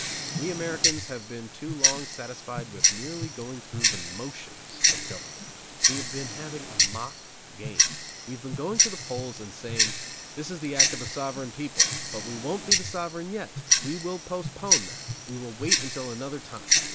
We Americans have been too long satisfied with merely going through the motions of government. We have been having a mock game. We have been going to the polls and saying: "This is the act of a sovereign people, but we won't be the sovereign yet; we will postpone that; we will wait until another time.